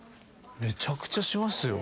めちゃくちゃしますよ。